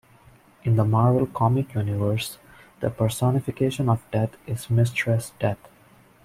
In the Marvel Comics Universe, the personification of death is Mistress Death.